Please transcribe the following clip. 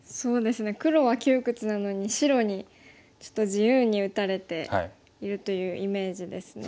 黒は窮屈なのに白にちょっと自由に打たれているというイメージですね。